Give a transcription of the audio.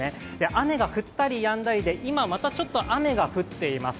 雨が降ったりやんだりで今またちょっと雨が降っています。